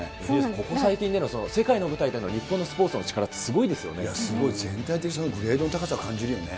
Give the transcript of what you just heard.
ここ最近での世界の舞台での日本のスポーツの力ってすごいですごい、全体的にグレードの高さを感じるよね。